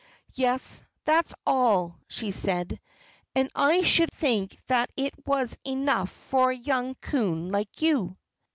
"Yes that's all," she said, "and I should think that it was enough for a young coon like you."